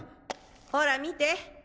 ほら見て！